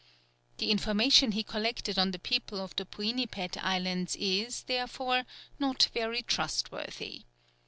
The information he collected on the people of the Puinipet Islands is, therefore, not very trustworthy.